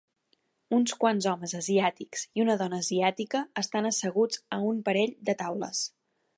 Uns quants homes asiàtics i una dona asiàtica estan asseguts a un parell de taules.